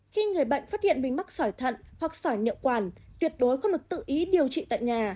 khi người bệnh phát hiện mình mắc sỏi thận hoặc sỏi nhựa quản tuyệt đối không được tự ý điều trị tại nhà